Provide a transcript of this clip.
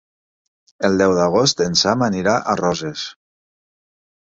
El deu d'agost en Sam anirà a Roses.